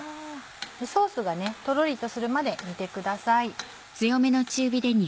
ソースがトロリとするまで煮てください。